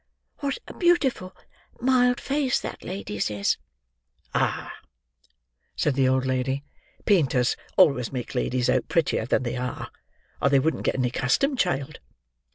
What a beautiful, mild face that lady's is!" "Ah!" said the old lady, "painters always make ladies out prettier than they are, or they wouldn't get any custom, child.